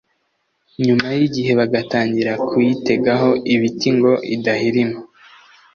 nyuma y’igihe bagatangira kuyitegaho ibiti ngo idahirima